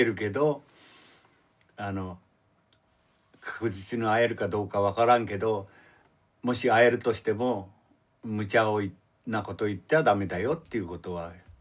確実に会えるかどうか分からんけどもし会えるとしてもむちゃなことを言っては駄目だよということは。